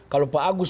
kalau pak agus